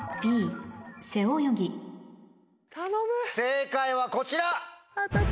正解はこちら！